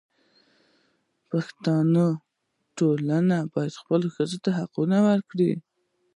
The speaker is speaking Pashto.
پښتني ټولنه باید خپلو ښځو ته حقونه ورکړي.